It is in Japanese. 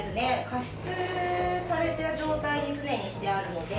加湿された状態に常にしてあるので。